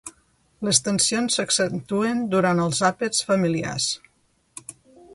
Les tensions s'accentuen durant els àpats familiars.